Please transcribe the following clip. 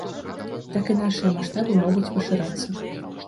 Так і нашыя маштабы могуць пашырацца.